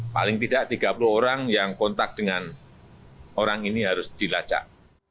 paling tidak tiga puluh orang yang kontak dengan orang ini harus dilacak